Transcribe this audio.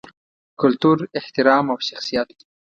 کلتور، احترام او شخصیت